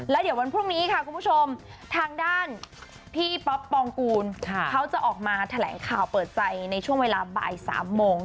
แล้วเดี๋ยววันพรุ่งนี้ค่ะคุณผู้ชมทางด้านพี่ป๊อปปองกูลเขาจะออกมาแถลงข่าวเปิดใจในช่วงเวลาบ่าย๓โมง